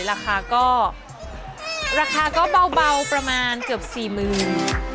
ราคาก็ราคาก็เบาประมาณเกือบ๔๐๐๐บาท